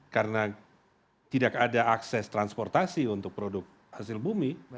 karena tidak ada akses transportasi untuk produk hasil bumi